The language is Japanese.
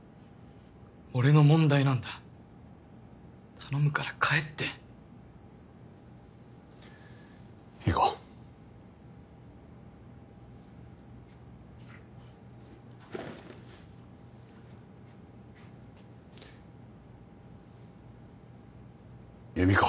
俺の問題なんだ頼むから帰って行こう由美子